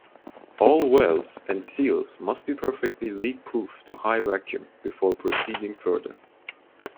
All welds and seals must be perfectly leak-proof to high vacuum before proceeding further.